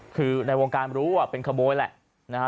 คือในวงการรู้ว่าเป็นขโมยแหละนะฮะ